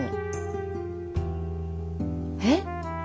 えっ？